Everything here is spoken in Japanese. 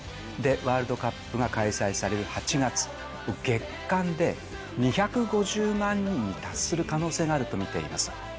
ワールドカップが開催される８月、月間で２５０万人に達する可能性があると見ています。